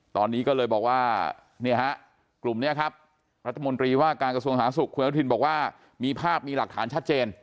ตอนนี้ก็เลยบอกว่าเนี่ยฮะกลุ่มนี้ครับรัฐมนตรีว่าการกระทรวงสาธารสุขคุณอนุทินบอกว่ามีภาพมีหลักฐานชัดเจน